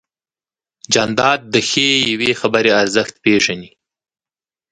جانداد د ښې یوې خبرې ارزښت پېژني.